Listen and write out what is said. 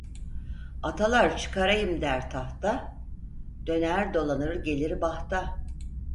Atalar çıkarayım der tahta, döner dolanır gelir bahta.